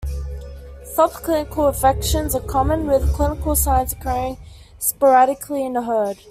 Subclinical infections are common, with clinical signs occurring sporadically in a herd.